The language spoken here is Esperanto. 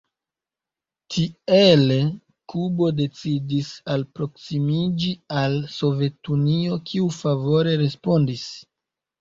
Tiele Kubo decidis alproksimiĝi al Sovetunio kiu favore respondis.